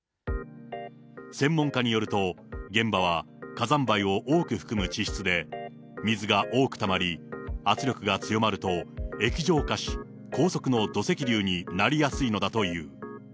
専門家によると、現場は、火山灰を多く含む地質で、水が多くたまり、圧力が強まると、液状化し、高速の土石流になりやすいのだという。